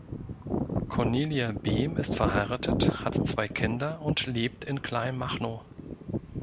Cornelia Behm ist verheiratet, hat zwei Kinder und lebt in Kleinmachnow.